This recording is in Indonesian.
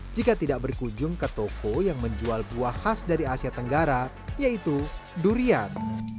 jika tidak berkunjung ke toko yang menjual buah khas dari asia tenggara yaitu durian